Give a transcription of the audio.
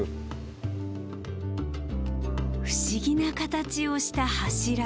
不思議な形をした柱。